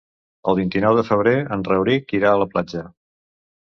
El vint-i-nou de febrer en Rauric irà a la platja.